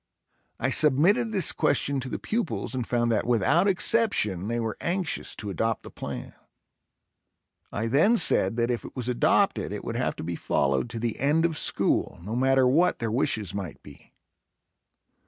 I submitted this question to the pupils and found that, without exception, they were anxious to adopt the plan. I then said that if it was adopted it would have to be followed to the end of school, no matter what their wishes might be.